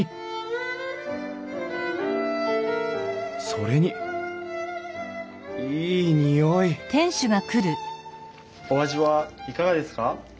それにいい匂いお味はいかがですか？